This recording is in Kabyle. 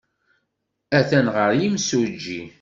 Atan ɣer yimsujji.